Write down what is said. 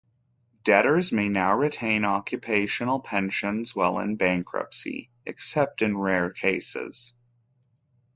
Debtors may now retain occupational pensions while in bankruptcy, except in rare cases.